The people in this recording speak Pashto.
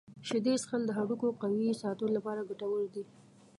شیدې څښل د هډوکو قوي ساتلو لپاره ګټور دي.